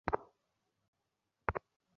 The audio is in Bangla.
ভালো খবর হলো, আপনার শারীরিক অবস্থা এখন ভালো।